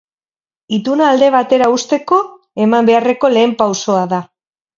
Ituna alde batera uzteko eman beharreko lehen pausoa da.